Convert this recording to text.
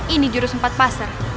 ini jurus empat pasar